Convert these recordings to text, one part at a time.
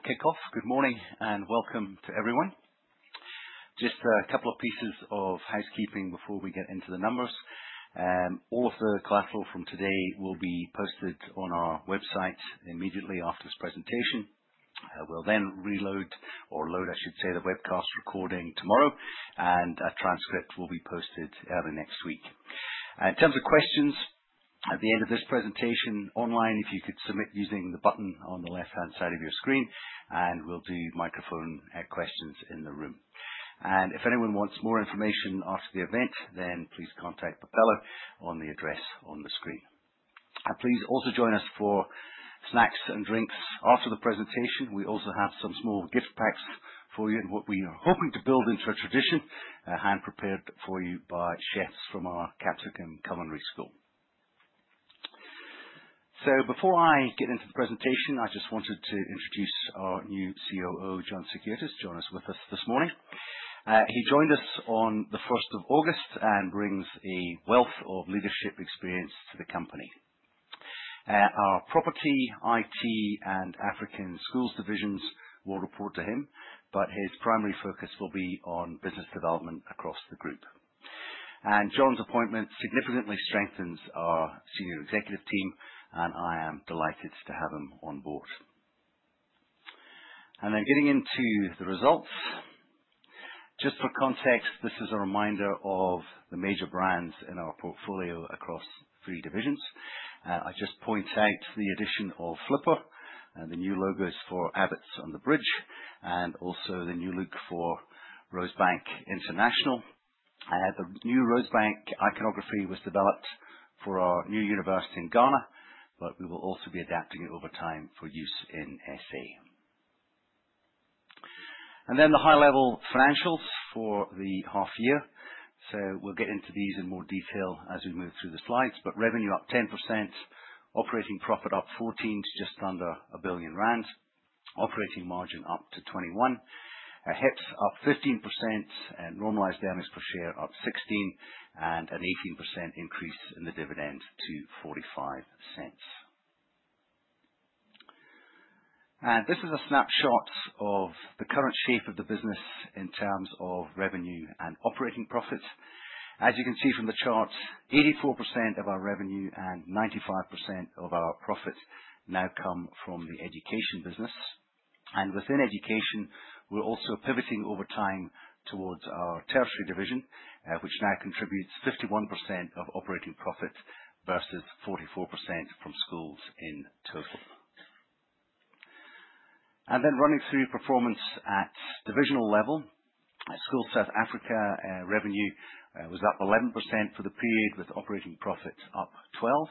I think we'll kick off. Good morning and welcome to everyone. Just a couple of pieces of housekeeping before we get into the numbers. All the material from today will be posted on our website immediately after this presentation. We'll then reload or load, I should say, the webcast recording tomorrow, and a transcript will be posted early next week. In terms of questions, at the end of this presentation online, if you could submit using the button on the left-hand side of your screen, and we'll do microphone questions in the room. If anyone wants more information after the event, then please contact Propeller on the address on the screen. Please also join us for snacks and drinks after the presentation. We also have some small gift packs for you, what we are hoping to build into a tradition, hand-prepared for you by chefs from our Capsicum Culinary Studio. Before I get into the presentation, I just wanted to introduce our new COO, John Sikiotis, joining us this morning. He joined us on the 1st of August and brings a wealth of leadership experience to the company. Our property, IT and African schools divisions will report to him, but his primary focus will be on business development across the group. John's appointment significantly strengthens our Senior Executive Team, and I am delighted to have him on board. Getting into the results. Just for context, this is a reminder of the major brands in our portfolio across three divisions. I just point out the addition of Flipper and the new logos for Abbotts on the Bridge and also the new look for Rosebank International. The new Rosebank iconography was developed for our new university in Ghana, but we will also be adapting it over time for use in S.A. Then the high-level financials for the half year. We'll get into these in more detail as we move through the slides. Revenue up 10%, operating profit up 14% to just under 1 billion rand. Operating margin up to 21%. Our HEPS up 15% and normalized earnings per share up 16%, and an 18% increase in the dividend to 0.45. This is a snapshot of the current shape of the business in terms of revenue and operating profit. As you can see from the chart, 84% of our revenue and 95% of our profit now come from the education business. Within education, we're also pivoting over time towards our tertiary division, which now contributes 51% of operating profit versus 44% from schools in total. Running through performance at divisional level. At Schools South Africa, revenue was up 11% for the period, with operating profit up 12%.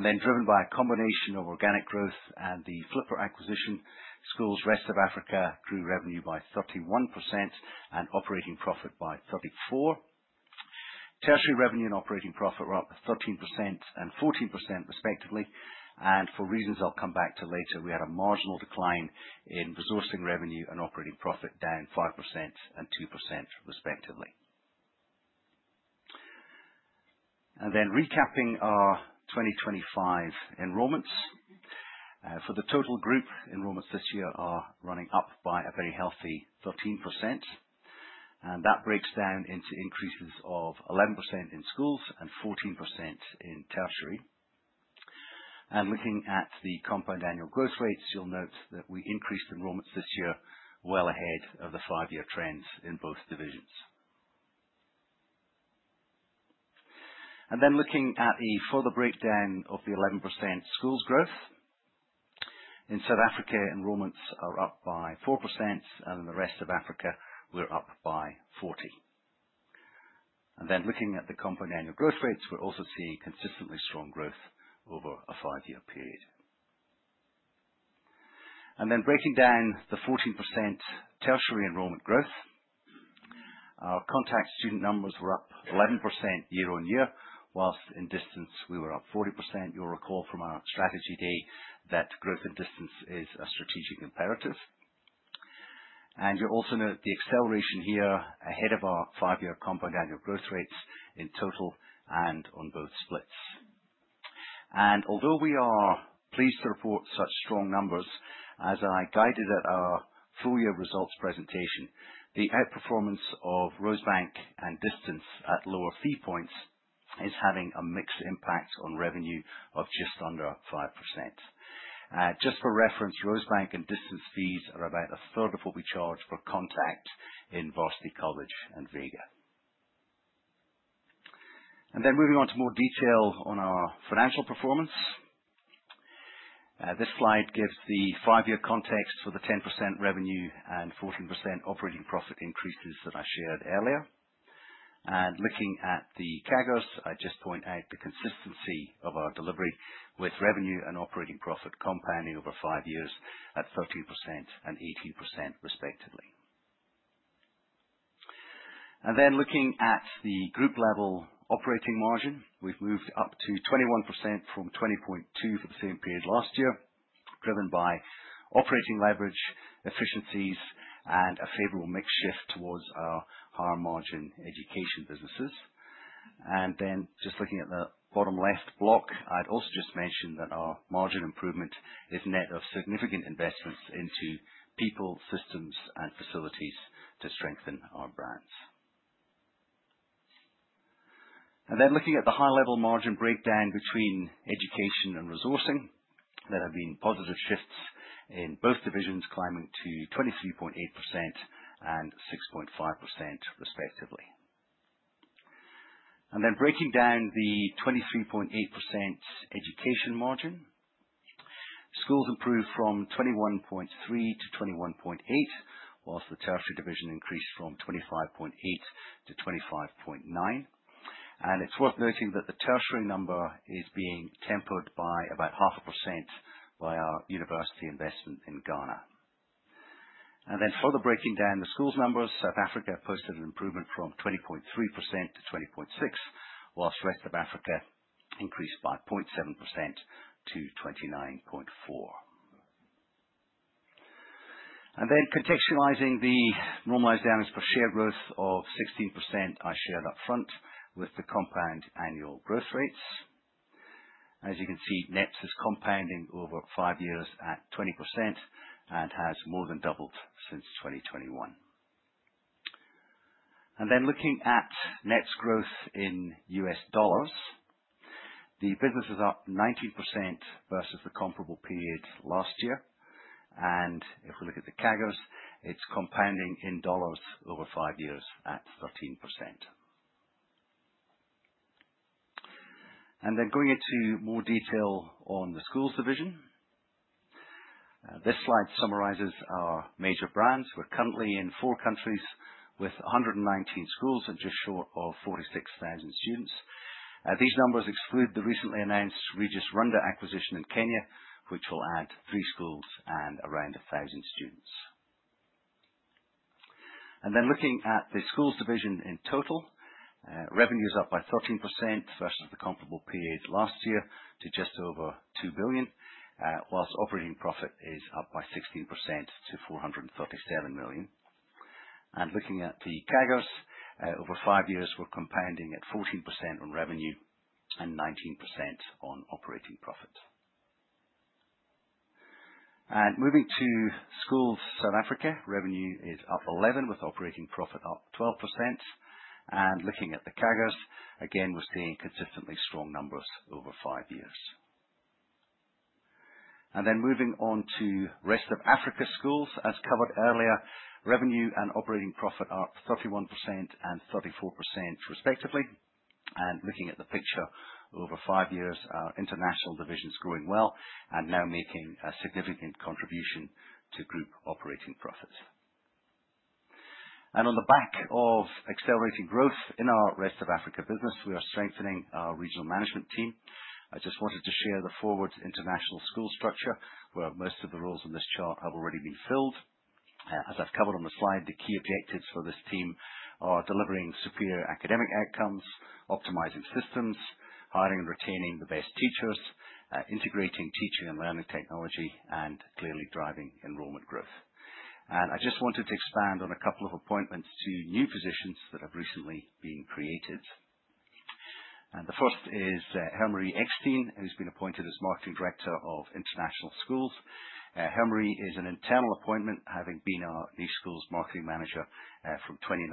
Driven by a combination of organic growth and the Flipper acquisition, Schools Rest of Africa grew revenue by 31% and operating profit by 34%. Tertiary revenue and operating profit were up 13% and 14% respectively. For reasons I'll come back to later, we had a marginal decline in resourcing revenue and operating profit, down 5% and 2% respectively. Recapping our 2025 enrollments. For the total group, enrollments this year are running up by a very healthy 13%, and that breaks down into increases of 11% in schools and 14% in tertiary. Looking at the compound annual growth rates, you'll note that we increased enrollments this year well ahead of the five-year trends in both divisions. Looking at a further breakdown of the 11% schools growth. In South Africa, enrollments are up by 4%, and in the rest of Africa we're up by 40%. Looking at the compound annual growth rates, we're also seeing consistently strong growth over a five-year period. Breaking down the 14% tertiary enrollment growth. Our contact student numbers were up 11% year-on-year, while in distance we were up 40%. You'll recall from our strategy day that growth in distance is a strategic imperative. You'll also note the acceleration here ahead of our five-year compound annual growth rates in total and on both splits. Although we are pleased to report such strong numbers, as I guided at our full-year results presentation, the outperformance of Rosebank and Distance at lower fee points is having a mixed impact on revenue of just under 5%. Just for reference, Rosebank and Distance fees are about a third of what we charge for Contact in Varsity College and Vega. Then moving on to more detail on our financial performance. This slide gives the five-year context for the 10% revenue and 14% operating profit increases that I shared earlier. Looking at the CAGRs, I just point out the consistency of our delivery with revenue and operating profit compounding over five years at 13% and 18% respectively. Looking at the group level operating margin. We've moved up to 21% from 20.2% for the same period last year, driven by operating leverage efficiencies and a favorable mix shift towards our higher margin education businesses. Just looking at the bottom left block, I'd also just mention that our margin improvement is net of significant investments into people, systems, and facilities to strengthen our brands. Looking at the high level margin breakdown between education and resourcing, there have been positive shifts in both divisions climbing to 23.8% and 6.5% respectively. Breaking down the 23.8% education margin, schools improved from 21.3% to 21.8%, while the tertiary division increased from 25.8% to 25.9%. It's worth noting that the tertiary number is being tempered by about half a percent by our university investment in Ghana. Further breaking down the schools numbers, South Africa posted an improvement from 20.3% to 20.6%, while rest of Africa increased by 0.7% to 29.4%. Contextualizing the normalized earnings per share growth of 16% I shared up front with the compound annual growth rates. As you can see, NEPS is compounding over five years at 20% and has more than doubled since 2021. Looking at NEPS growth in US dollars, the business is up 90% versus the comparable period last year. If we look at the CAGRs, it's compounding in dollars over five years at 13%. Going into more detail on the Schools Division. This slide summarizes our major brands. We're currently in four countries with 119 schools and just short of 46,000 students. These numbers exclude the recently announced Regis Runda acquisition in Kenya, which will add three schools and around 1,000 students. Looking at the Schools Division in total, revenue is up by 13% versus the comparable period last year to just over 2 billion, whilst operating profit is up by 16% to 437 million. Looking at the CAGRs, over five years, we're compounding at 14% on revenue and 19% on operating profit. Moving to schools South Africa, revenue is up 11% with operating profit up 12%. Looking at the CAGRs, again, we're seeing consistently strong numbers over five years. Then moving on to Rest of Africa Schools, as covered earlier, revenue and operating profit are up 31% and 34% respectively. Looking at the picture over five years, our international division is growing well and now making a significant contribution to group operating profits. On the back of accelerating growth in our rest of Africa business, we are strengthening our regional management team. I just wanted to share the forward international school structure, where most of the roles in this chart have already been filled. As I've covered on the slide, the key objectives for this team are delivering superior academic outcomes, optimizing systems, hiring and retaining the best teachers, integrating teaching and learning technology, and clearly driving enrollment growth. I just wanted to expand on a couple of appointments to new positions that have recently been created. The first is Germari Eksteen, who's been appointed as Marketing Director of International Schools. Germari is an internal appointment, having been our lead school's marketing manager, from 2019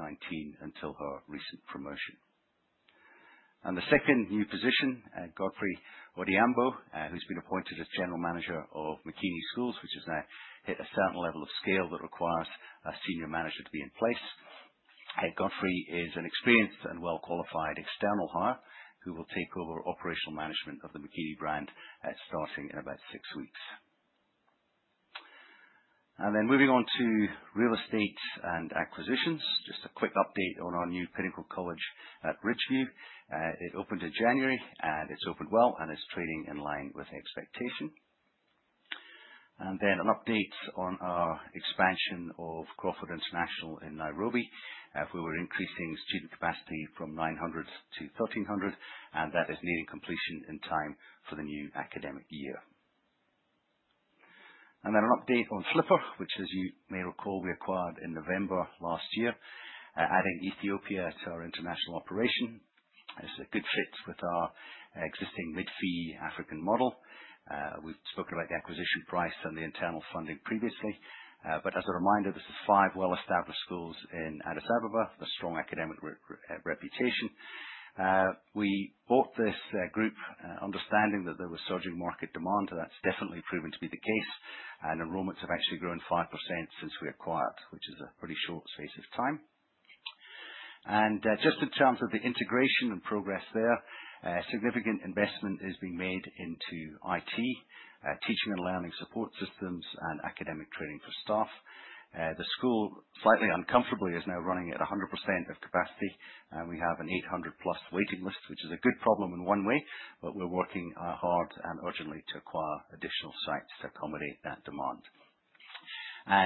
until her recent promotion. The second new position, Godfrey Odhiambo, who's been appointed as General Manager of Makini Schools, which has now hit a certain level of scale that requires a senior manager to be in place. Godfrey is an experienced and well-qualified external hire who will take over operational management of the Makini brand, starting in about six weeks. Moving on to Real Estate and Acquisitions. Just a quick update on our new Pinnacle College Ridgeview. It opened in January, and it's opened well, and it's trading in line with expectation. An update on our expansion of Crawford International in Nairobi, where we're increasing student capacity from 900 to 1,300, and that is nearing completion in time for the new academic year. An update on Flipper, which as you may recall, we acquired in November last year, adding Ethiopia to our international operation. This is a good fit with our existing mid-fee African model. We've spoken about the acquisition price and the internal funding previously. As a reminder, this is five well-established schools in Addis Ababa with a strong academic reputation. We bought this group understanding that there was surging market demand. That's definitely proven to be the case. Enrollments have actually grown 5% since we acquired, which is a pretty short space of time. Just in terms of the integration and progress there, a significant investment is being made into IT, teaching and learning support systems, and academic training for staff. The school, slightly uncomfortably, is now running at 100% of capacity. We have an 800+ waiting list, which is a good problem in one way, but we're working hard and urgently to acquire additional sites to accommodate that demand.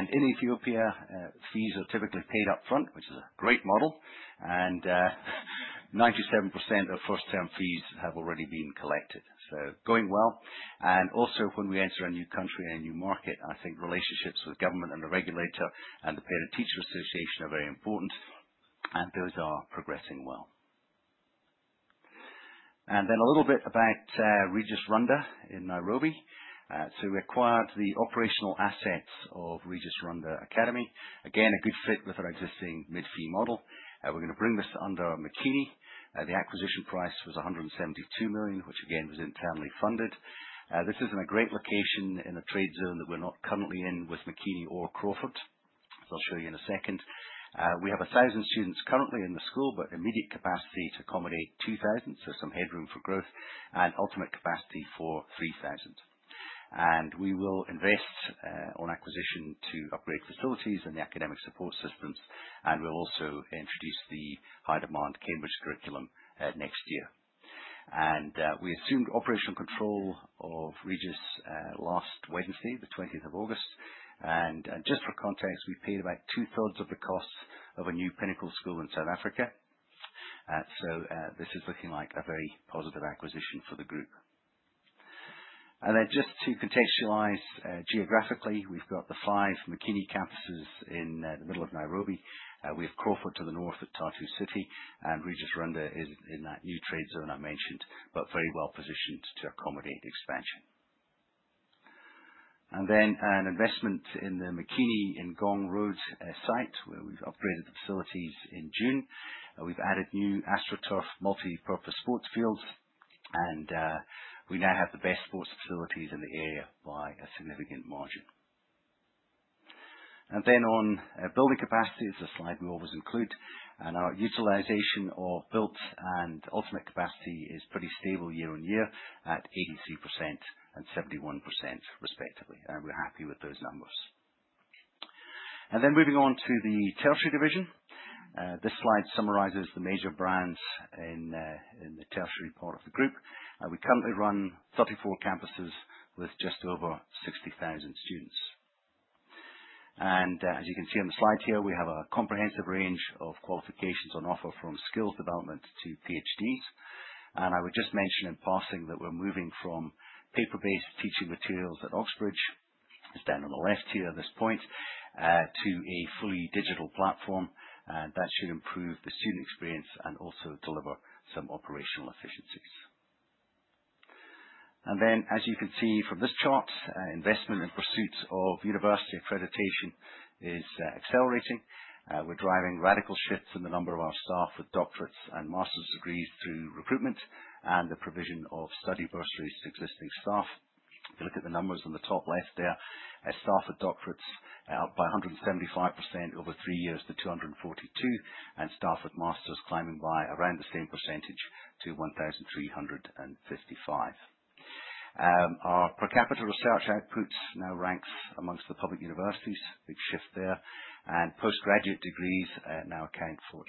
In Ethiopia, fees are typically paid up front, which is a great model, and, 97% of first-term fees have already been collected. So going well. Also, when we enter a new country and a new market, I think relationships with government and the regulator and the Parent Teacher Association are very important, and those are progressing well. A little bit about Regis Runda in Nairobi. So we acquired the operational assets of Regis Runda Academy. Again, a good fit with our existing mid-fee model. We're gonna bring this under Makini. The acquisition price was 172 million, which again, was internally funded. This is in a great location in the trade zone that we're not currently in with Makini or Crawford, as I'll show you in a second. We have 1,000 students currently in the school, but immediate capacity to accommodate 2,000, so some headroom for growth and ultimate capacity for 3,000. We will invest on acquisition to upgrade facilities and the academic support systems, and we'll also introduce the high-demand Cambridge curriculum next year. We assumed operational control of Regis last Wednesday, the 20th of August. Just for context, we paid about two-thirds of the cost of a new Pinnacle school in South Africa. This is looking like a very positive acquisition for the group. Then just to contextualize geographically, we've got the five Makini campuses in the middle of Nairobi. We have Crawford to the north at Tatu City, and Regis Runda is in that new trade zone I mentioned, but very well-positioned to accommodate expansion. An investment in the Makini Ngong Road site, where we've upgraded the facilities in June. We've added new AstroTurf multi-purpose sports fields and we now have the best sports facilities in the area by a significant margin. Then on building capacity, it's a slide we always include. Our utilization of built and ultimate capacity is pretty stable year on year at 83% and 71% respectively. We're happy with those numbers. Moving on to the tertiary division. This slide summarizes the major brands in the tertiary part of the group. We currently run 34 campuses with just over 60,000 students. As you can see on the slide here, we have a comprehensive range of qualifications on offer, from skills development to PhDs. I would just mention in passing that we're moving from paper-based teaching materials at Oxbridge, it's down on the left here at this point, to a fully digital platform, and that should improve the student experience and also deliver some operational efficiencies. As you can see from this chart, investment in pursuit of university accreditation is accelerating. We're driving radical shifts in the number of our staff with Doctorates and Master's degrees through recruitment and the provision of study bursaries to existing staff. If you look at the numbers on the top left there, a staff with doctorates are up by 175% over 3 years to 242, and staff with master's climbing by around the same percentage to 1,355. Our per capita research output now ranks amongst the public universities. Big shift there. Postgraduate degrees now account for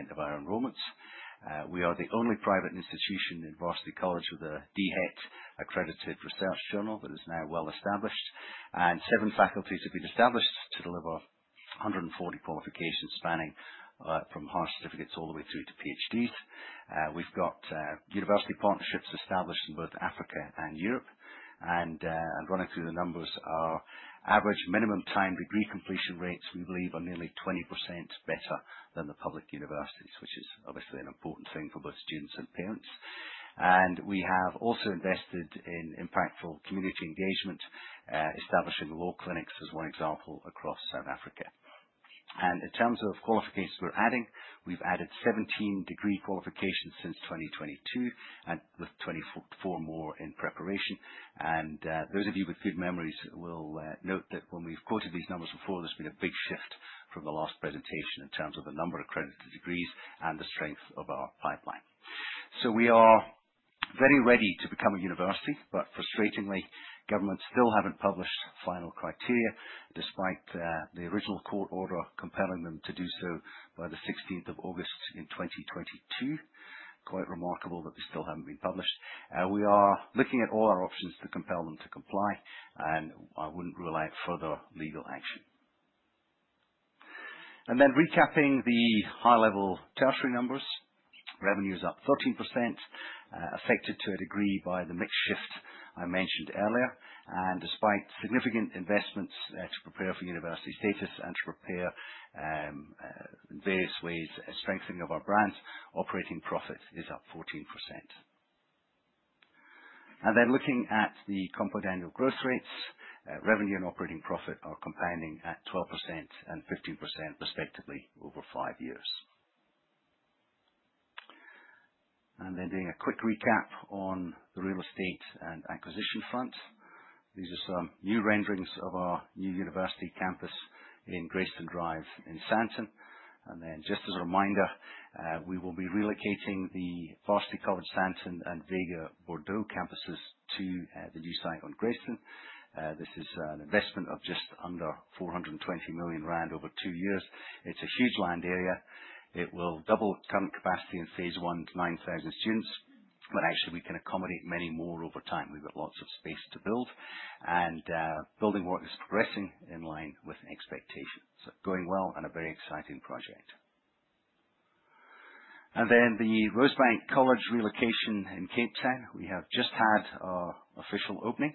8% of our enrollments. We are the only private institution in Varsity College with a DHET-accredited research journal that is now well-established. Seven faculties have been established to deliver 140 qualifications spanning from Higher Certificates all the way through to PhDs. We've got university partnerships established in both Africa and Europe. Running through the numbers, our average minimum time degree completion rates, we believe are nearly 20% better than the public universities, which is obviously an important thing for both students and parents. We have also invested in impactful community engagement, establishing law clinics as one example across South Africa. In terms of qualifications we're adding, we've added 17 degree qualifications since 2022 and with 24 more in preparation. Those of you with good memories will note that when we've quoted these numbers before, there's been a big shift from the last presentation in terms of the number of accredited degrees and the strength of our pipeline. We are very ready to become a university, but frustratingly, government still haven't published final criteria despite the original court order compelling them to do so by the sixteenth of August in 2022. Quite remarkable that they still haven't been published. We are looking at all our options to compel them to comply, and I wouldn't rule out further legal action. Recapping the high-level tertiary numbers. Revenue is up 13%, affected to a degree by the mix shift I mentioned earlier. Despite significant investments to prepare for university status and to prepare in various ways a strengthening of our brands, operating profit is up 14%. Looking at the compound annual growth rates, revenue and operating profit are compounding at 12% and 15% respectively over five years. Doing a quick recap on the real estate and acquisition front. These are some new renderings of our new university campus in Grayston Drive in Sandton. Just as a reminder, we will be relocating the Varsity College Sandton and Vega Bordeaux campuses to the new site on Grayston. This is an investment of just under 420 million rand over two years. It's a huge land area. It will double current capacity in phase one to 9,000 students. Actually, we can accommodate many more over time. We've got lots of space to build. Building work is progressing in line with expectations. Going well and a very exciting project. The Rosebank College relocation in Cape Town. We have just had our official opening.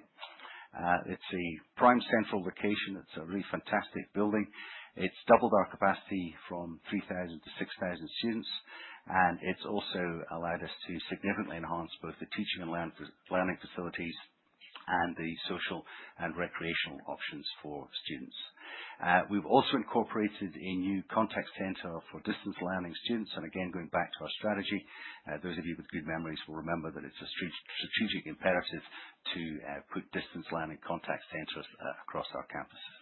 It's a prime central location. It's a really fantastic building. It's doubled our capacity from 3,000 to 6,000 students, and it's also allowed us to significantly enhance both the teaching and learning facilities and the social and recreational options for students. We've also incorporated a new contact center for Distance Learning students. Going back to our strategy, those of you with good memories will remember that it's a strategic imperative to put distance learning contact centers across our campuses.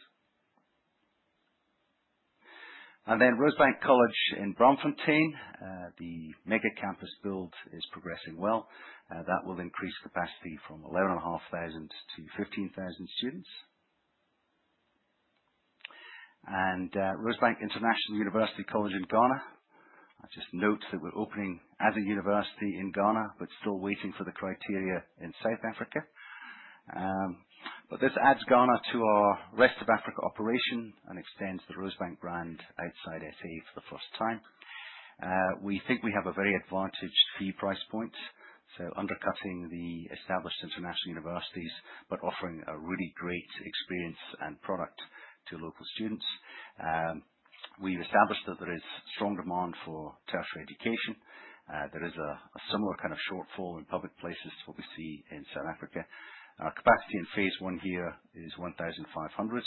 Rosebank College in Braamfontein. The mega campus build is progressing well. That will increase capacity from 11,500 to 15,000 students. Rosebank International University College in Ghana. I just note that we're opening as a university in Ghana, but still waiting for the criteria in South Africa. This adds Ghana to our rest of Africa operation and extends the Rosebank brand outside S.A. for the first time. We think we have a very advantaged fee price point, so undercutting the established international universities, but offering a really great experience and product to local students. We've established that there is strong demand for tertiary education. There is a similar kind of shortfall in public places to what we see in South Africa. Our capacity in phase I here is 1,500.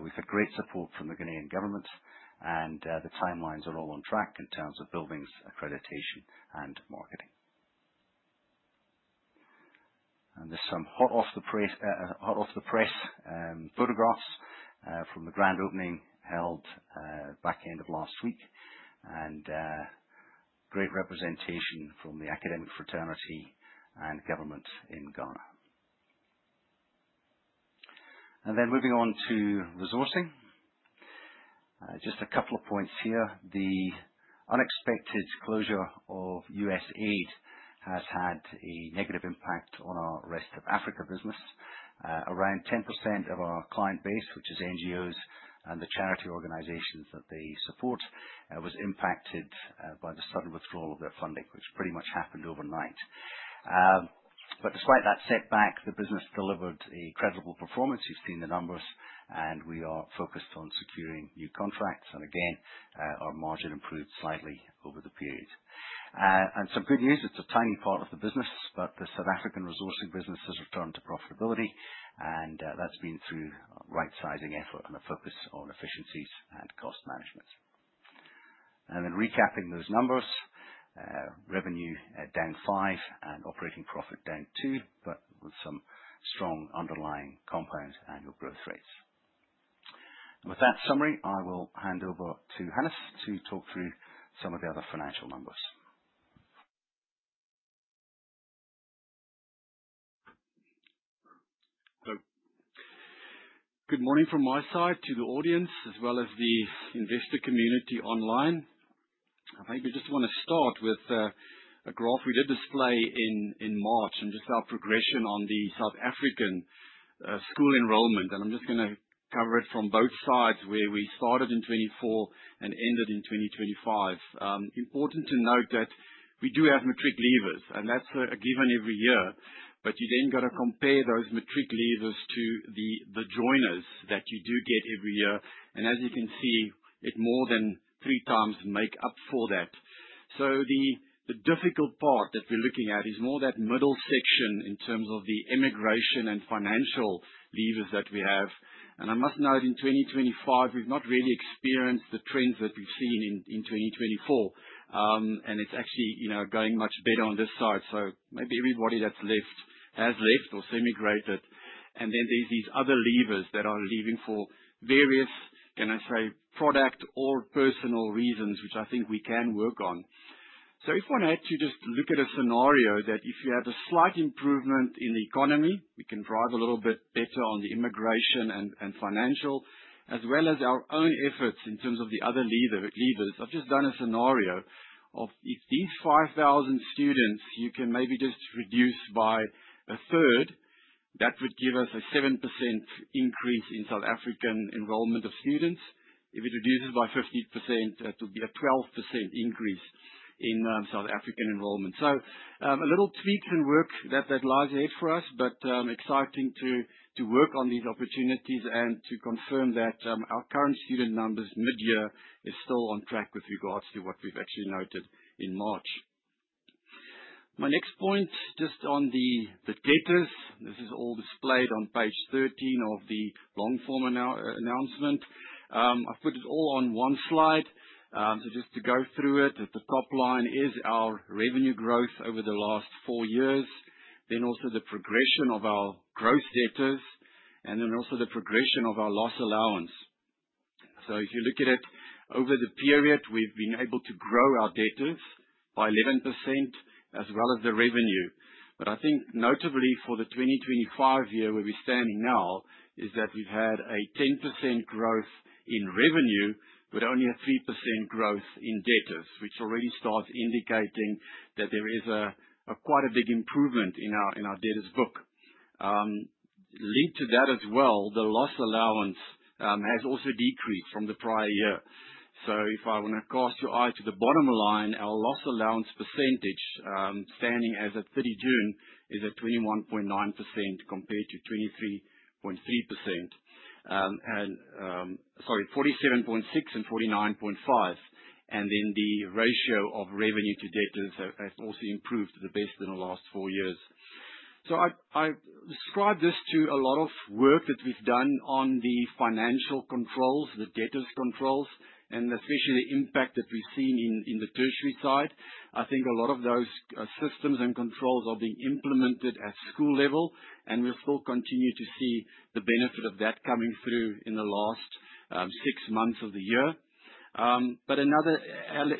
We've had great support from the Ghanaian government, and the timelines are all on track in terms of buildings, accreditation, and marketing. There's some hot off the press photographs from the grand opening held back end of last week, and great representation from the academic fraternity and government in Ghana. Then moving on to resourcing. Just a couple of points here. The unexpected closure of USAID has had a negative impact on our rest of Africa business. Around 10% of our client base, which is NGOs and the charity organizations that they support, was impacted by the sudden withdrawal of their funding, which pretty much happened overnight. Despite that setback, the business delivered a credible performance. You've seen the numbers, and we are focused on securing new contracts. Again, our margin improved slightly over the period. Some good news, it's a tiny part of the business, but the South African resourcing business has returned to profitability, and that's been through right-sizing effort and a focus on efficiencies and cost management. Then recapping those numbers. Revenue down 5% and operating profit down 2%, but with some strong underlying compound annual growth rates. With that summary, I will hand over to Hannes to talk through some of the other financial numbers. Good morning from my side to the audience as well as the investor community online. I think I just wanna start with a graph we did display in March and just our progression on the South African school enrollment. I'm just gonna cover it from both sides, where we started in 2024 and ended in 2025. Important to note that we do have matric leavers, and that's a given every year. You then gotta compare those matric leavers to the joiners that you do get every year. As you can see, it more than three times make up for that. The difficult part that we're looking at is more that middle section in terms of the immigration and financial leavers that we have. I must note, in 2025, we've not really experienced the trends that we've seen in 2024. It's actually, you know, going much better on this side. Maybe everybody that's left has left or semi-graduated. Then there's these other leavers that are leaving for various, can I say, product or personal reasons, which I think we can work on. If one had to just look at a scenario that if you have a slight improvement in the economy, we can drive a little bit better on the immigration and financial, as well as our own efforts in terms of the other leaver, leavers. I've just done a scenario of if these 5,000 students, you can maybe just reduce by a third, that would give us a 7% increase in South African enrollment of students. If it reduces by 50%, that would be a 12% increase in South African enrollment. A little tweak and work that lies ahead for us, but exciting to work on these opportunities and to confirm that our current student numbers mid-year is still on track with regards to what we've actually noted in March. My next point, just on the debtors. This is all displayed on page 13 of the long form announcement. I've put it all on one slide. Just to go through it. At the top line is our revenue growth over the last four years, then also the progression of our gross debtors, and then also the progression of our loss allowance. If you look at it, over the period, we've been able to grow our debtors by 11% as well as the revenue. I think notably for the 2025 year, where we're standing now, is that we've had a 10% growth in revenue, but only a 3% growth in debtors, which already starts indicating that there is quite a big improvement in our debtors book. The loss allowance has also decreased from the prior year. If I wanna catch your eye to the bottom line, our loss allowance percentage standing as at 30 June is at 47.6% compared to 49.5%. The ratio of revenue to debtors has also improved the best in the last four years. I describe this to a lot of work that we've done on the financial controls, the debtors controls, and especially the impact that we've seen in the tertiary side. I think a lot of those systems and controls are being implemented at school level, and we'll still continue to see the benefit of that coming through in the last six months of the year. But another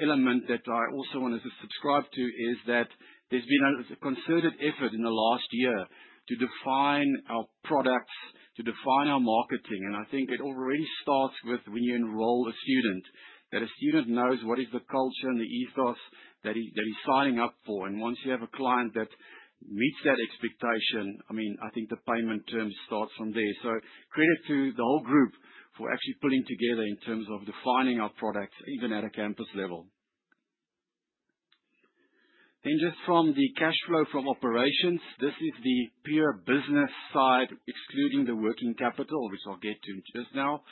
element that I also wanted to subscribe to is that there's been a concerted effort in the last year to define our products, to define our marketing. I think it already starts with when you enroll a student, that a student knows what is the culture and the ethos that he's signing up for. Once you have a client that meets that expectation, I mean, I think the payment terms starts from there. Credit to the whole group for actually pulling together in terms of defining our products, even at a campus level. Just from the cash flow from operations. This is the pure business side, excluding the working capital, which I'll get to just now.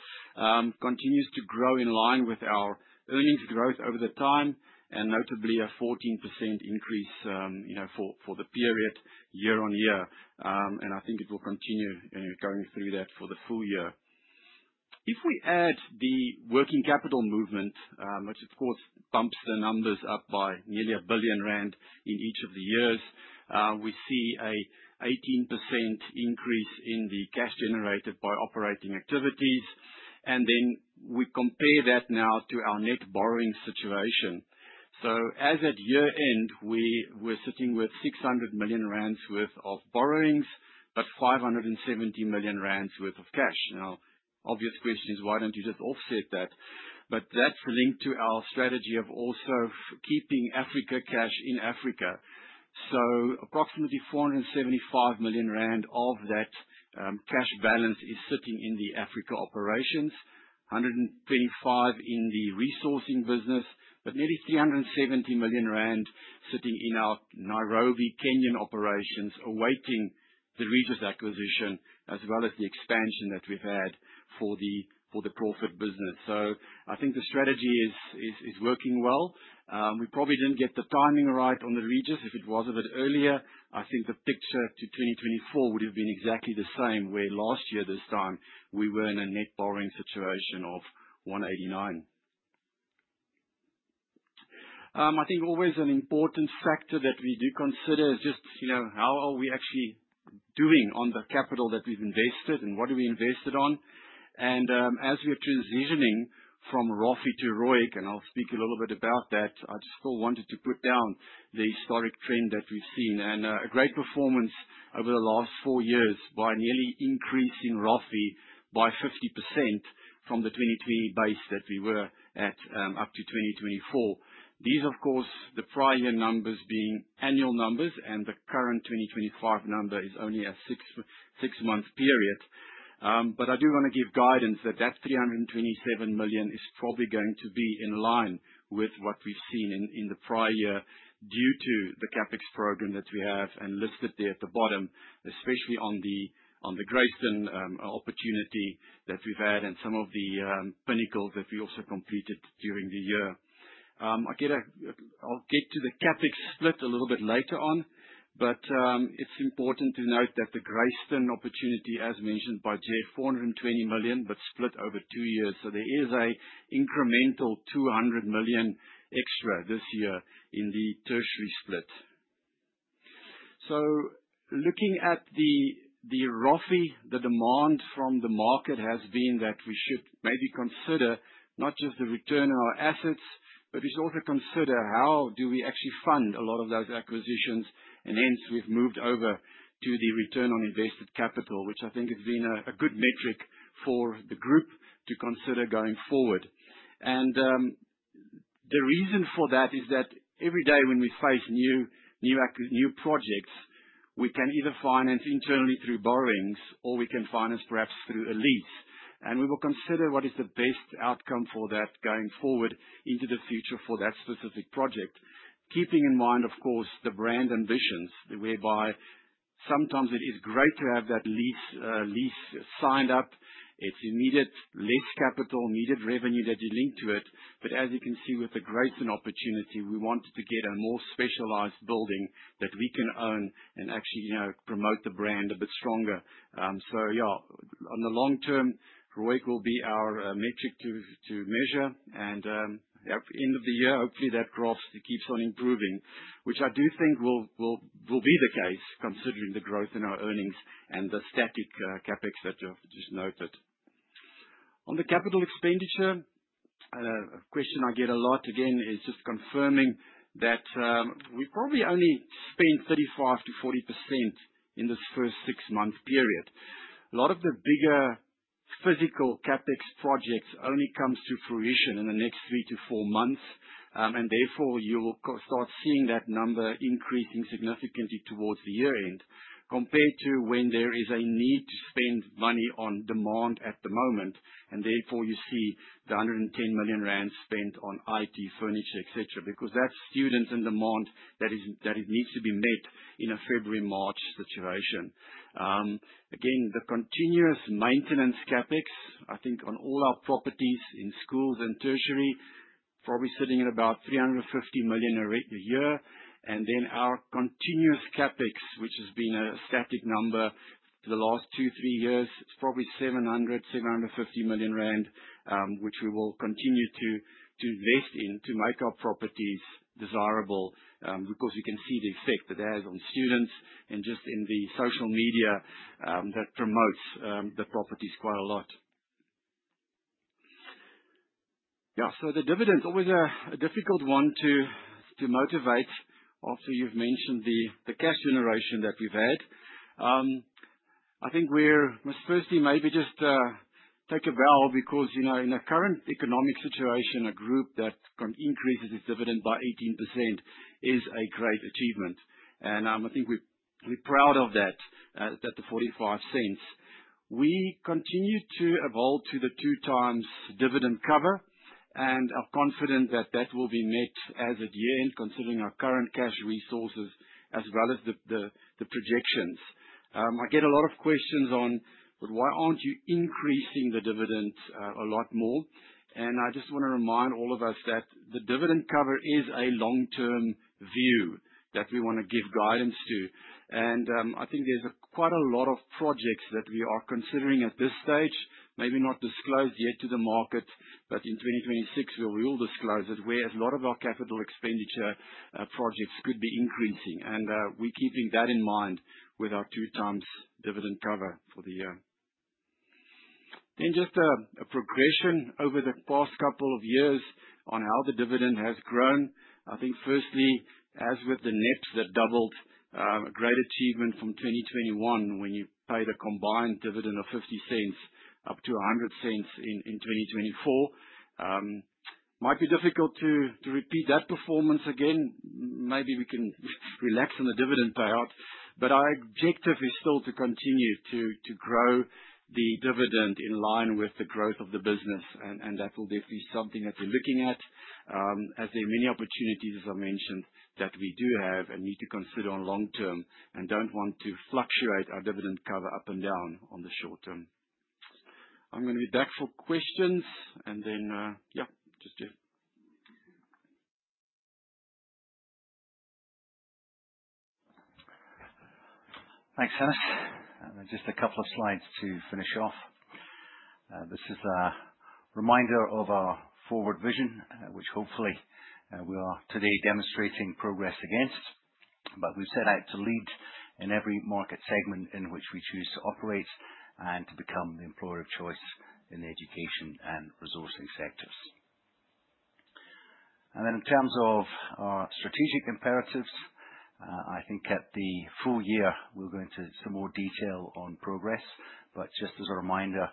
Continues to grow in line with our earnings growth over the time, and notably a 14% increase, you know, for the period year-on-year. I think it will continue, you know, going through that for the full year. If we add the working capital movement, which of course bumps the numbers up by nearly 1 billion rand in each of the years, we see a 18% increase in the cash generated by operating activities. We compare that now to our net borrowing situation. As at year-end, we were sitting with 600 million rand worth of borrowings, but 570 million rand worth of cash. Now, obvious question is, why don't you just offset that? That's linked to our strategy of also keeping African cash in Africa. Approximately 475 million rand of that cash balance is sitting in the Africa operations, 125 million in the resourcing business. Nearly 370 million rand sitting in our Nairobi, Kenyan operations, awaiting the Regis acquisition, as well as the expansion that we've had for the profit business. I think the strategy is working well. We probably didn't get the timing right on the Regis. If it was a bit earlier, I think the picture to 2024 would have been exactly the same, where last year this time we were in a net borrowing situation of 189. I think always an important factor that we do consider is just, you know, how are we actually doing on the capital that we've invested and what have we invested on. As we are transitioning from ROFE to ROIC, and I'll speak a little bit about that, I just still wanted to put down the historic trend that we've seen. A great performance over the last four years by nearly increasing ROFE by 50% from the 2020 base that we were at, up to 2024. These, of course, the prior year numbers being annual numbers and the current 2025 number is only a six-month period. I do wanna give guidance that that 327 million is probably going to be in line with what we've seen in the prior year, due to the CapEx program that we have and listed there at the bottom, especially on the Grayston opportunity that we've had and some of the Pinnacles that we also completed during the year. I'll get to the CapEx split a little bit later on, but it's important to note that the Grayston opportunity, as mentioned by Geoff, 420 million, but split over two years. There is an incremental 200 million extra this year in the tertiary split. Looking at the ROFE, the demand from the market has been that we should maybe consider not just the return on our assets, but we should also consider how do we actually fund a lot of those acquisitions. Hence we've moved over to the return on invested capital, which I think has been a good metric for the group to consider going forward. The reason for that is that every day when we face new projects, we can either finance internally through borrowings or we can finance perhaps through a lease. We will consider what is the best outcome for that going forward into the future for that specific project. Keeping in mind, of course, the brand ambitions, whereby sometimes it is great to have that lease signed up. It's immediate, less capital, immediate revenue that you link to it. As you can see with the Grayston opportunity, we wanted to get a more specialized building that we can own and actually, you know, promote the brand a bit stronger. On the long term, ROIC will be our metric to measure. End of the year, hopefully that growth keeps on improving. Which I do think will be the case considering the growth in our earnings and the static CapEx that I've just noted. On the capital expenditure question I get a lot again is just confirming that we probably only spent 35%-40% in this first six-month period. A lot of the bigger physical CapEx projects only comes to fruition in the next 3-4 months. Therefore you will start seeing that number increasing significantly towards the year-end, compared to when there is a need to spend money on demand at the moment. Therefore you see the 110 million rand spent on IT, furniture, et cetera, because that's students in demand that it needs to be met in a February, March situation. Again, the continuous maintenance CapEx, I think on all our properties in schools and tertiary, probably sitting at about 350 million a year. Then our continuous CapEx, which has been a static number for the last two, three years, it's probably 750 million rand, which we will continue to invest in to make our properties desirable, because we can see the effect that it has on students and just in the social media that promotes the properties quite a lot. Yeah. The dividend's always a difficult one to motivate. Also, you've mentioned the cash generation that we've had. I think we must firstly maybe just take a bow because, you know, in the current economic situation, a group that can increase its dividend by 18% is a great achievement. I think we're proud of that 0.45. We continue to evolve to the 2x dividend cover, and are confident that that will be met as of year-end, considering our current cash resources as well as the projections. I get a lot of questions on, "But why aren't you increasing the dividend, a lot more?" I just wanna remind all of us that the dividend cover is a long-term view that we wanna give guidance to. I think there's quite a lot of projects that we are considering at this stage, maybe not disclosed yet to the market, but in 2026 we will disclose it, where a lot of our capital expenditure projects could be increasing. We're keeping that in mind with our 2x dividend cover for the year. Just a progression over the past couple of years on how the dividend has grown. I think firstly, as with the NEPS that doubled, a great achievement from 2021 when you paid a combined dividend of 0.50 up to 1.00 in 2024. Might be difficult to repeat that performance again. Maybe we can relax on the dividend payout. Our objective is still to continue to grow the dividend in line with the growth of the business. That will definitely be something that we're looking at, as there are many opportunities, as I mentioned, that we do have and need to consider on long-term, and don't want to fluctuate our dividend cover up and down on the short term. I'm gonna be back for questions. Yeah. Just do. Thanks, Hannes. Just a couple of slides to finish off. This is a reminder of our forward vision, which hopefully, we are today demonstrating progress against. We set out to lead in every market segment in which we choose to operate, and to become the employer of choice in the Education and Resourcing sectors. In terms of our strategic imperatives, I think at the full year we'll go into some more detail on progress. Just as a reminder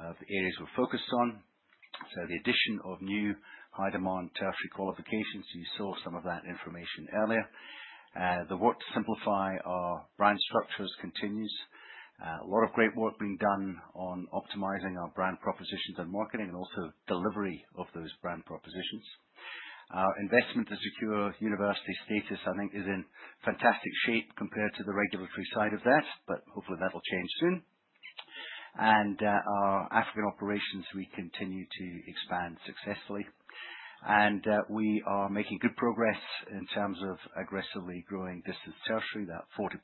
of areas we're focused on. The addition of new high-demand tertiary qualifications. You saw some of that information earlier. The work to simplify our brand structures continues. A lot of great work being done on optimizing our brand propositions and Marketing, and also delivery of those brand propositions. Our investment to secure university status, I think, is in fantastic shape compared to the regulatory side of that, but hopefully that'll change soon. Our African operations, we continue to expand successfully. We are making good progress in terms of aggressively growing distance tertiary, that 40%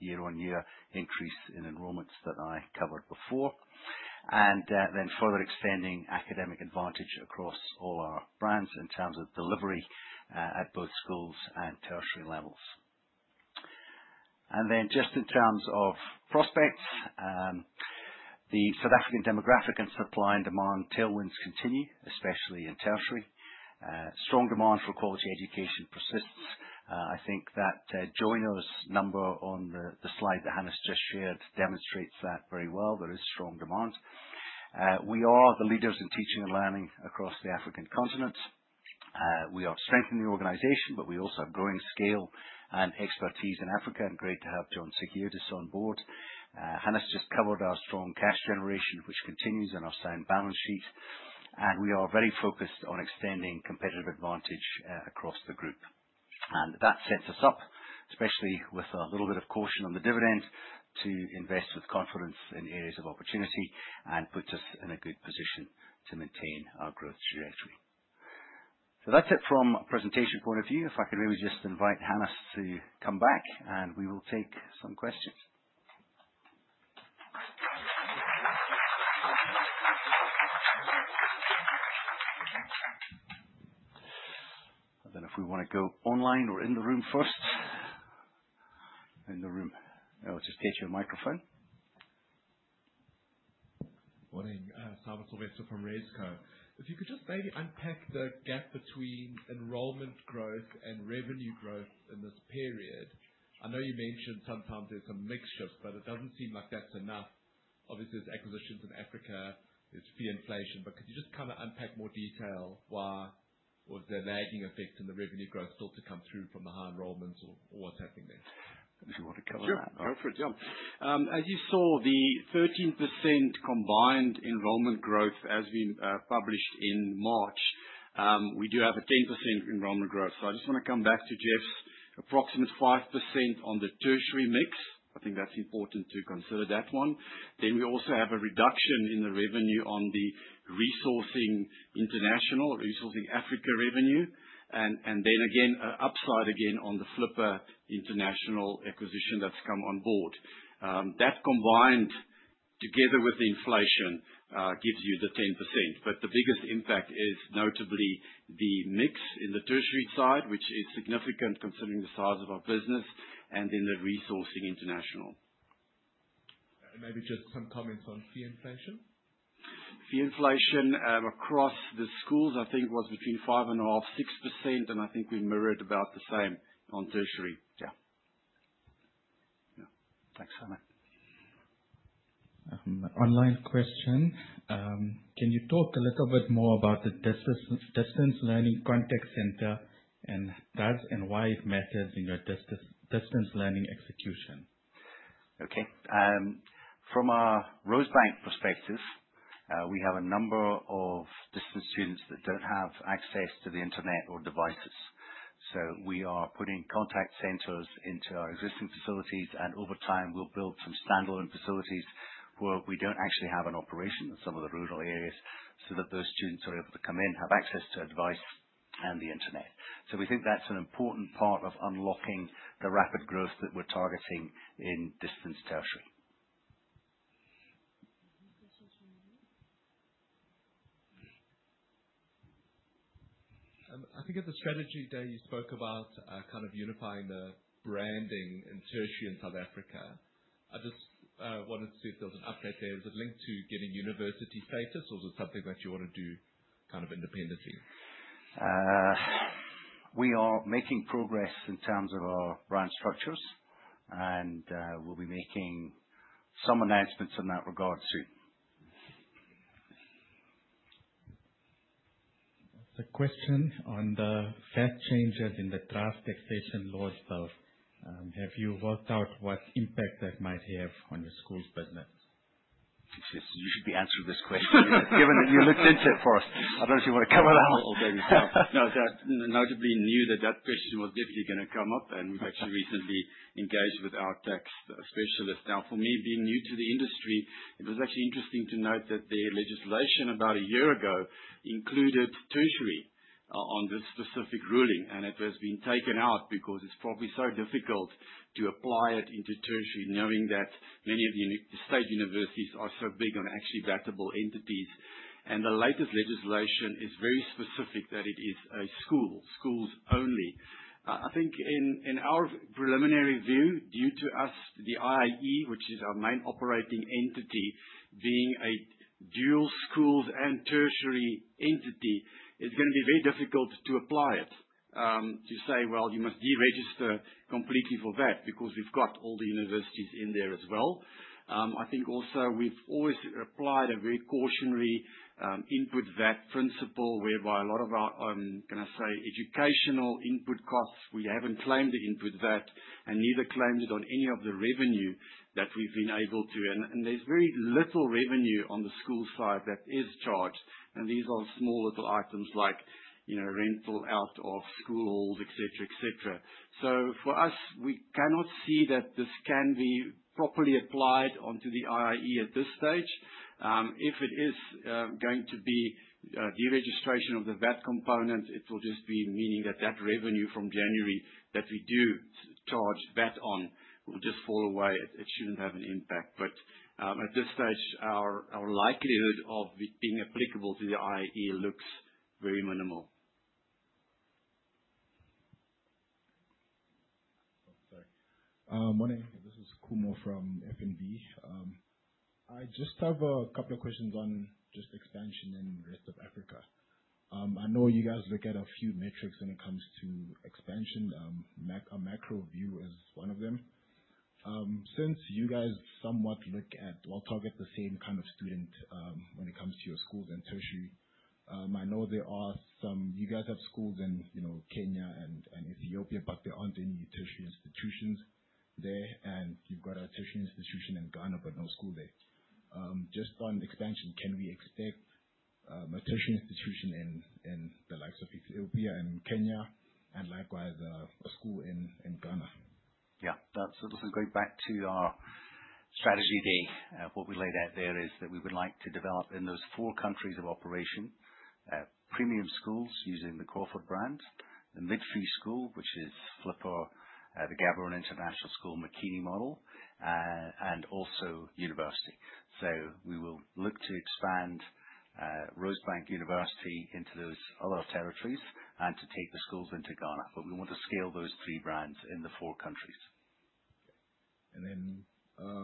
year-on-year increase in enrollments that I covered before. Further extending academic advantage across all our brands in terms of delivery at both schools and tertiary levels. Just in terms of prospects, the South African demographic and supply and demand tailwinds continue, especially in tertiary. Strong demand for quality education persists. I think that joiners number on the slide that Hannes just shared demonstrates that very well. There is strong demand. We are the leaders in teaching and learning across the African continent. We are strengthening the organization, but we also have growing scale and expertise in Africa, and great to have John Sikiotis on board. Hannes just covered our strong cash generation, which continues in our sound balance sheet. We are very focused on extending competitive advantage across the group. That sets us up, especially with a little bit of caution on the dividend, to invest with confidence in areas of opportunity, and puts us in a good position to maintain our growth trajectory. That's it from a presentation point of view. If I could maybe just invite Hannes to come back, and we will take some questions. If we wanna go online or in the room first. In the room. I'll just get you a microphone. Morning. Simon Sylvester from Rezco. If you could just maybe unpack the gap between enrollment growth and revenue growth in this period. I know you mentioned sometimes there's some mix shift, but it doesn't seem like that's enough. Obviously there's acquisitions in Africa, it's fee inflation, but could you just kind of unpack more detail why was there a lagging effect in the revenue growth still to come through from the high enrollments or what's happening there? If you want to cover that. Sure. Go for it. Yeah. As you saw, the 13% combined enrollment growth as we published in March, we do have a 10% enrollment growth. I just wanna come back to Geoff's approximate 5% on the tertiary mix. I think that's important to consider that one. We also have a reduction in the revenue on the Resourcing International, Resourcing Africa revenue. And then an upside on the Flipper International acquisition that's come on board. That combined together with the inflation gives you the 10%. The biggest impact is notably the mix in the tertiary side, which is significant considering the size of our business and in the Resourcing International. Maybe just some comments on fee inflation. Fee inflation across the schools I think was between 5.5-6%, and I think we mirrored about the same on tertiary. Yeah. Thanks so much. Online question. Can you talk a little bit more about the distance learning contact center, and does and why it matters in your distance learning execution? From a Rosebank perspective, we have a number of distance students that don't have access to the internet or devices. We are putting contact centers into our existing facilities, and over time we'll build some standalone facilities where we don't actually have an operation in some of the rural areas, so that those students are able to come in, have access to a device and the internet. We think that's an important part of unlocking the rapid growth that we're targeting in distance tertiary. I think at the strategy day you spoke about kind of unifying the branding in tertiary in South Africa. I just wanted to see if there was an update there. Is it linked to getting university status or is it something that you wanna do kind of independently? We are making progress in terms of our brand structures, and we'll be making some announcements in that regard soon. The question on the VAT changes in the draft Taxation Laws Bill. Have you worked out what impact that might have on the schools business? You should be answering this question. Given that you looked into it for us. I don't know if you wanna cover that one. No, we notably knew that that question was definitely gonna come up, and we've actually recently engaged with our tax specialist. Now, for me, being new to the industry, it was actually interesting to note that their legislation about a year ago included tertiary on this specific ruling. It has been taken out because it's probably so difficult to apply it into tertiary, knowing that many of the state universities are so big and are actually taxable entities. The latest legislation is very specific that it is a school, schools only. I think in our preliminary view, due to us, the IIE, which is our main operating entity, being a dual schools and tertiary entity, it's gonna be very difficult to apply it. To say, well, you must de-register completely for VAT because we've got all the universities in there as well. I think also we've always applied a very cautionary input VAT principle, whereby a lot of our can I say, educational input costs, we haven't claimed the input VAT, and neither claimed it on any of the revenue that we've been able to. There's very little revenue on the school side that is charged, and these are small little items like, you know, rental out of schools, et cetera, et cetera. For us, we cannot see that this can be properly applied onto the IIE at this stage. If it is going to be de-registration of the VAT component, it will just be meaning that that revenue from January that we do charge VAT on will just fall away. It shouldn't have an impact. At this stage our likelihood of it being applicable to the IIE looks very minimal. Morning. This is Khumo from FNB. I just have a couple of questions on just expansion in the rest of Africa. I know you guys look at a few metrics when it comes to expansion. A macro view is one of them. Since you guys somewhat look at or target the same kind of student, when it comes to your schools and tertiary, I know there are some. You guys have schools in, you know, Kenya and Ethiopia, but there aren't any tertiary institutions there. You've got a tertiary institution in Ghana, but no school there. Just on expansion, can we expect a tertiary institution in the likes of Ethiopia and Kenya, and likewise, a school in Ghana? Yeah. That's sort of going back to our strategy day. What we laid out there is that we would like to develop in those four countries of operation, premium schools using the Crawford brand. The mid-fee school, which is Flipper, the Gaborone International School Makini model. And also university. We will look to expand, Rosebank University into those other territories and to take the schools into Ghana. We want to scale those three brands in the four countries.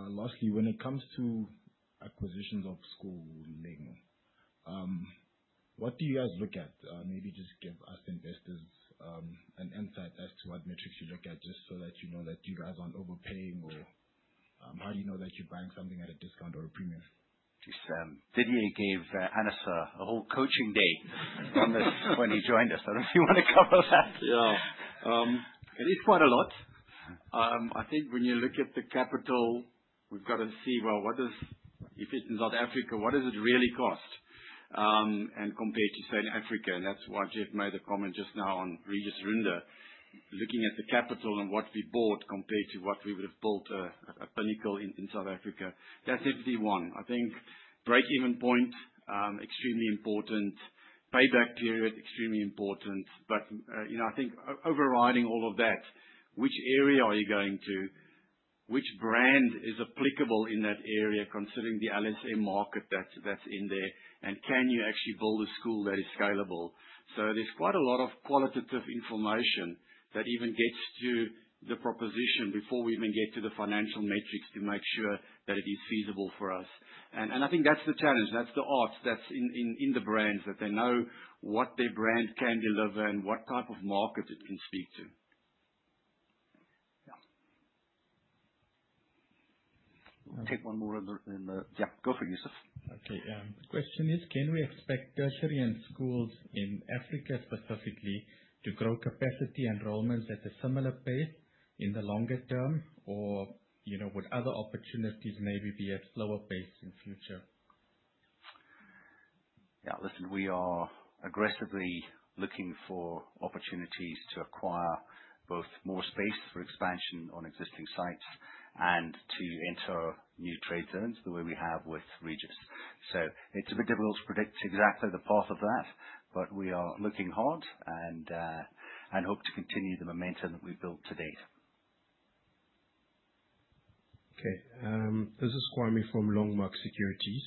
Lastly, when it comes to acquisitions of schooling. What do you guys look at? Maybe just give us investors an insight as to what metrics you look at, just so that you know that you guys aren't overpaying or how do you know that you're buying something at a discount or a premium? Just, Didier gave Hannes a whole coaching day on this when he joined us. I don't know if you wanna cover that. It is quite a lot. I think when you look at the capital, we've gotta see, well, what does if it's in South Africa, what does it really cost? And compared to Southern Africa, and that's why Geoff made a comment just now on Regis Runda. Looking at the capital and what we bought compared to what we would've built, a Pinnacle in South Africa that's definitely one. I think break-even point extremely important. Payback period extremely important. You know, I think overriding all of that, which area are you going to? Which brand is applicable in that area, considering the LSM market that's in there? Can you actually build a school that is scalable? There's quite a lot of qualitative information that even gets to the proposition before we even get to the financial metrics to make sure that it is feasible for us. I think that's the challenge, that's the art, that's in the brands, that they know what their brand can deliver and what type of market it can speak to. Yeah. We'll take one more. Yeah, go for it, Yusuf. The question is: Can we expect tertiary and schools in Africa specifically to grow capacity enrollments at a similar pace in the longer term or, you know, would other opportunities maybe be at slower pace in future? Yeah. Listen, we are aggressively looking for opportunities to acquire both more space for expansion on existing sites and to enter new trade zones the way we have with Regis. It's a bit difficult to predict exactly the path of that, but we are looking hard and hope to continue the momentum that we've built to date. Okay. This is Kwame from Longmark Securities.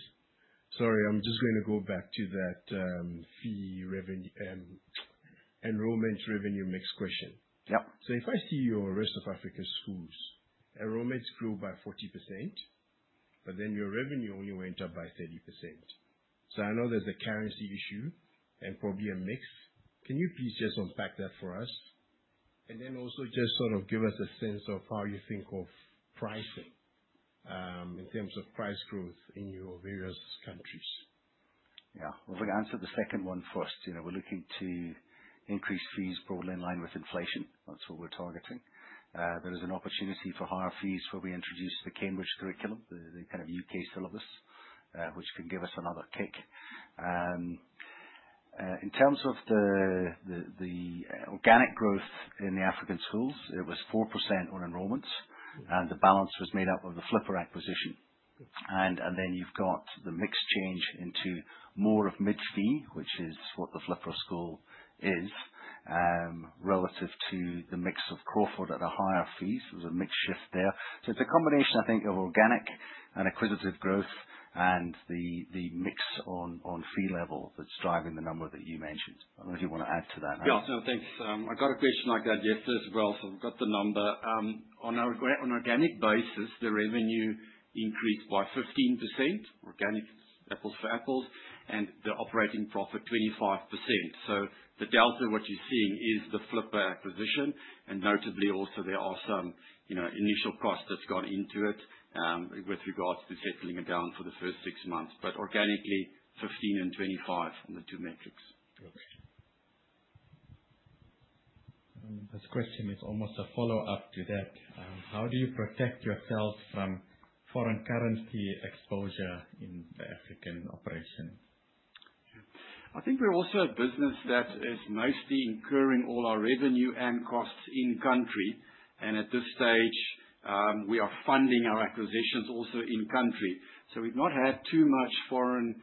Sorry, I'm just gonna go back to that, enrollment revenue mix question. Yeah. If I see your Rest of Africa Schools enrollments grew by 40%, but then your revenue only went up by 30%. I know there's a currency issue and probably a mix. Can you please just unpack that for us? Then also just sort of give us a sense of how you think of pricing, in terms of price growth in your various countries. Yeah. Well, if I answer the second one first, you know, we're looking to increase fees broadly in line with inflation. That's what we're targeting. There is an opportunity for higher fees where we introduce the Cambridge Curriculum, the kind of U.K. syllabus, which can give us another kick. In terms of the organic growth in the African schools, it was 4% on enrollments. The balance was made up of the Flipper acquisition. Then you've got the mix change into more of mid-fee, which is what the Flipper school is, relative to the mix of Crawford at a higher fees. There's a mix shift there. It's a combination, I think, of organic and acquisitive growth and the mix on fee level that's driving the number that you mentioned. I don't know if you wanna add to that. Yeah. No. Thanks. I got a question like that yesterday as well, so I've got the number. On organic basis, the revenue increased by 15%, organic apples for apples, and the operating profit 25%. So the delta what you're seeing is the Flipper acquisition. Notably also there are some, you know, initial costs that's gone into it, with regards to settling it down for the first six months. But organically, 15% and 25% on the two metrics. Okay. This question is almost a follow-up to that. How do you protect yourself from foreign currency exposure in the African operation? I think we're also a business that is mostly incurring all our revenue and costs in-country. At this stage, we are funding our acquisitions also in-country. We've not had too much foreign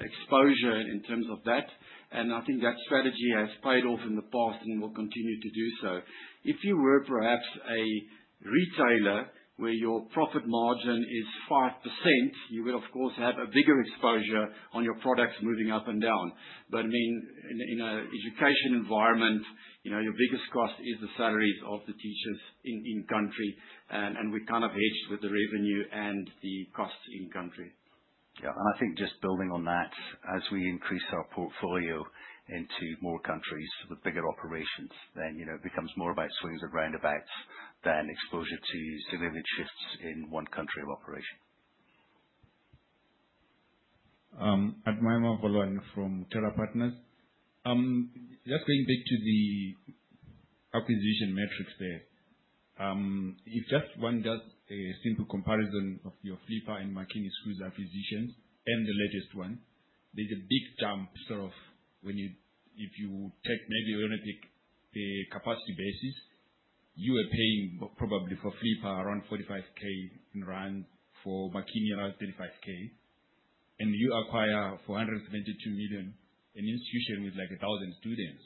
exposure in terms of that. I think that strategy has paid off in the past and will continue to do so. If you were perhaps a retailer where your profit margin is 5%, you will of course have a bigger exposure on your products moving up and down. In an education environment, you know, your biggest cost is the salaries of the teachers in country. We're kind of hedged with the revenue and the costs in-country. Yeah. I think just building on that, as we increase our portfolio into more countries with bigger operations, then, you know, it becomes more about swings of roundabouts than exposure to delivery shifts in one country of operation. Admire Mavolwane from Terra Partners. Just going back to the acquisition metrics there. If one just does a simple comparison of your Flipper and Makini Schools acquisitions and the latest one, there's a big jump. If you take maybe on a capacity basis, you were paying probably for Flipper around 45,000 rand, for Makini around 35,000. You acquire for 172 million an institution with like 1,000 students.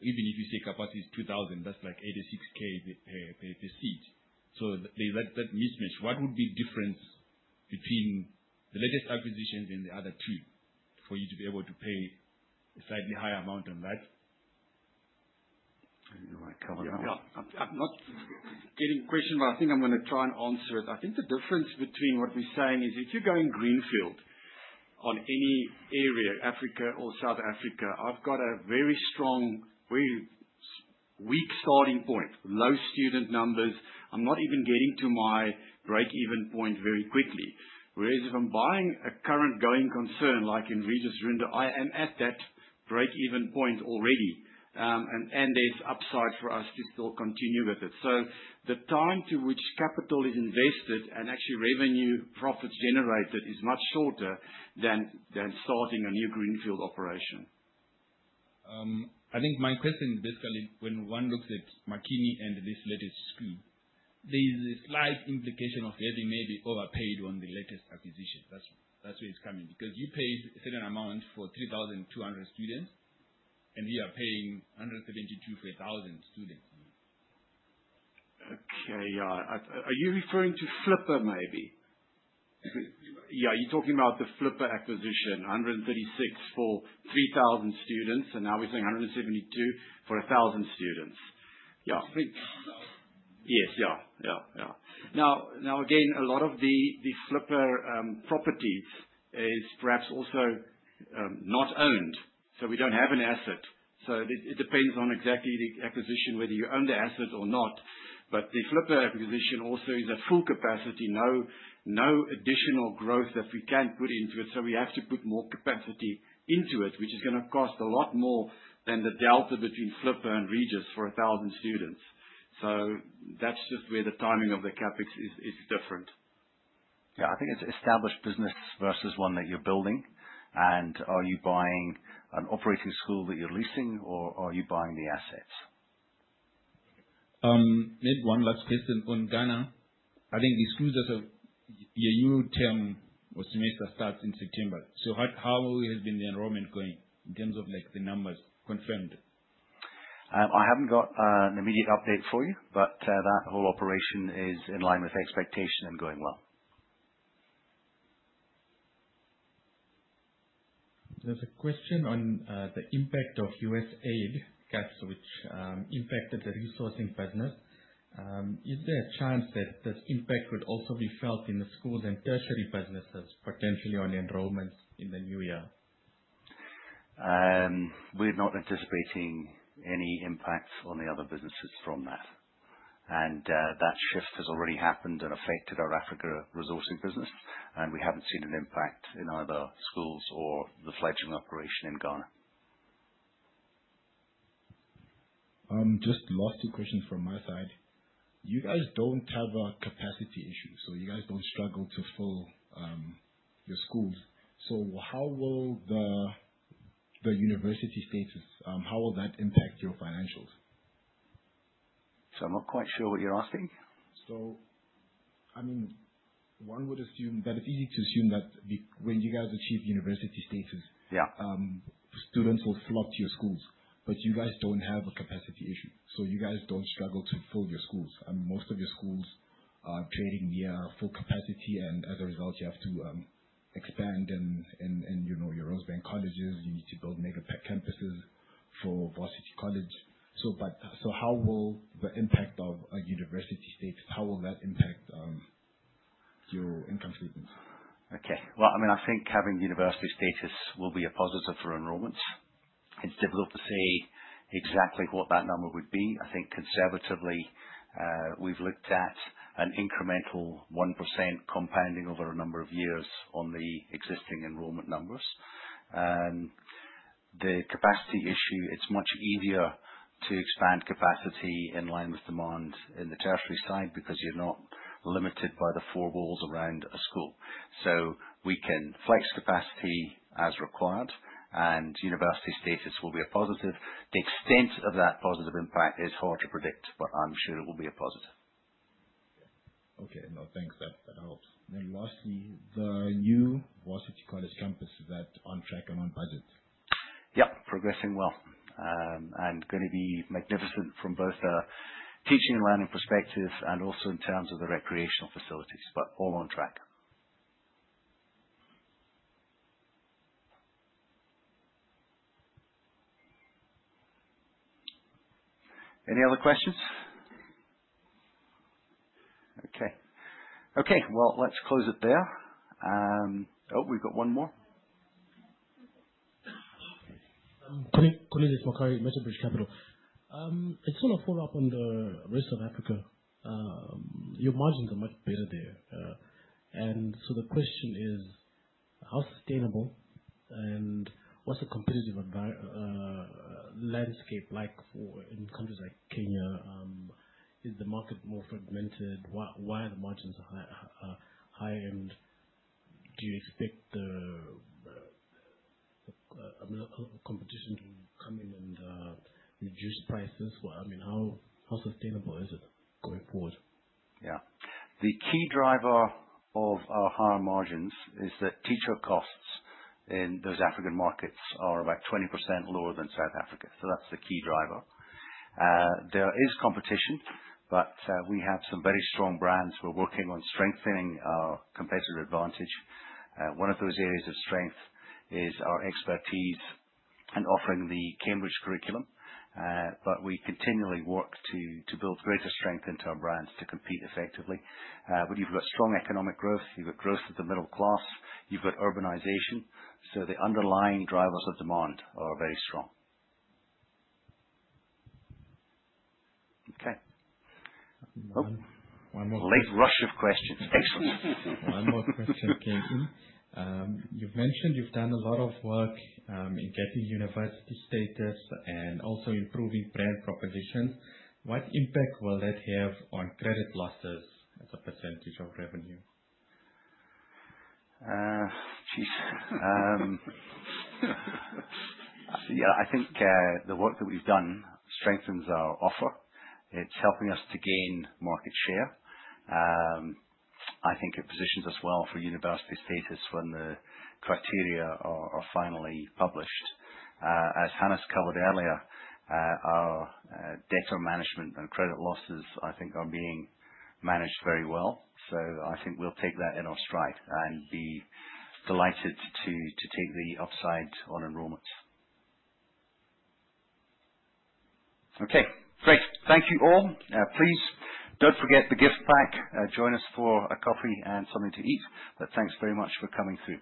Even if you say capacity is 2,000, that's like 86,000 per seat. So there's that mismatch. What would be different between the latest acquisition and the other two for you to be able to pay a slightly higher amount on that? I'm not getting the question, but I think I'm gonna try and answer it. I think the difference between what we're saying is if you're going greenfield on any area, Africa or South Africa, I've got a very weak starting point. Low student numbers. I'm not even getting to my breakeven point very quickly. Whereas if I'm buying a current going concern, like in Regis Runda, I am at that breakeven point already. And there's upside for us to still continue with it. The time to which capital is invested and actually revenue profits generated is much shorter than starting a new greenfield operation. I think my question basically, when one looks at Makini and this latest school, there's a slight implication of having maybe overpaid on the latest acquisition. That's where it's coming. Because you paid a certain amount for 3,200 students, and we are paying 172 for 1,000 students. Okay. Yeah. Are you referring to Flipper maybe? Yeah. Yeah. You're talking about the Flipper acquisition. 136 for 3,000 students, and now we're saying 172 for 1,000 students. Yeah. I think so. Yeah. Now again, a lot of the Flipper properties is perhaps also not owned, so we don't have an asset. It depends on exactly the acquisition whether you own the asset or not. The Flipper acquisition also is at full capacity. No additional growth that we can put into it. We have to put more capacity into it, which is gonna cost a lot more than the delta between Flipper and Regis for 1,000 students. That's just where the timing of the CapEx is different. Yeah. I think it's established business versus one that you're building. Are you buying an operating school that you're leasing or are you buying the assets? Maybe one last question on Ghana. I think the schools that have year term or semester starts in September. How well has been the enrollment going in terms of like the numbers confirmed? I haven't got an immediate update for you. That whole operation is in line with expectation and going well. There's a question on the impact of USAID caps, which impacted the resourcing business. Is there a chance that this impact could also be felt in the schools and tertiary businesses potentially on enrollments in the new year? We're not anticipating any impacts on the other businesses from that. That shift has already happened and affected our Africa resourcing business, and we haven't seen an impact in either schools or the fledgling operation in Ghana. Just last two questions from my side. You guys don't have a capacity issue, so you guys don't struggle to fill your schools. So how will the university status impact your financials? I'm not quite sure what you're asking. I mean, one would assume that. It's easy to assume that when you guys achieve university status. Yeah. Students will flock to your schools. You guys don't have a capacity issue, so you guys don't struggle to fill your schools. Most of your schools are trading near full capacity, and as a result, you have to expand and, you know, your Rosebank College. You need to build mega campuses for Varsity College. How will the impact of a university status, how will that impact your income statements? Okay. Well, I mean, I think having university status will be a positive for enrollments. It's difficult to say exactly what that number would be. I think conservatively, we've looked at an incremental 1% compounding over a number of years on the existing enrollment numbers. The capacity issue, it's much easier to expand capacity in line with demand in the tertiary side because you're not limited by the four walls around a school. We can flex capacity as required and university status will be a positive. The extent of that positive impact is hard to predict, but I'm sure it will be a positive. Okay. No, thanks. That helps. Lastly, the new Varsity College campus, is that on track and on budget? Yeah. Progressing well. Gonna be magnificent from both a teaching and learning perspective and also in terms of the recreational facilities. All on track. Any other questions? Okay. Well, let's close it there. Oh, we've got one more. Koli Makari, Metabridge Capital. I just wanna follow up on the rest of Africa. Your margins are much better there. The question is how sustainable, and what's the competitive landscape like in countries like Kenya? Is the market more fragmented? Why are the margins high? Do you expect, I mean, competition to come in and reduce prices? What, I mean how sustainable is it going forward? Yeah. The key driver of our higher margins is that teacher costs in those African markets are about 20% lower than South Africa. That's the key driver. There is competition, but we have some very strong brands. We're working on strengthening our competitive advantage. One of those areas of strength is our expertise in offering the Cambridge curriculum. We continually work to build greater strength into our brands to compete effectively. You've got strong economic growth. You've got growth of the middle class. You've got urbanization. The underlying drivers of demand are very strong. Okay. One more. Late rush of questions. Excellent. One more question came in. You've mentioned you've done a lot of work in getting university status and also improving brand proposition. What impact will that have on credit losses as a percentage of revenue? Jeez. Yeah. I think the work that we've done strengthens our offer. It's helping us to gain market share. I think it positions us well for university status when the criteria are finally published. As Hannes covered earlier, our debtor management and credit losses I think are being managed very well. I think we'll take that in our stride and be delighted to take the upside on enrollments. Okay. Great. Thank you all. Please don't forget the gift pack. Join us for a coffee and something to eat but thanks very much for coming through.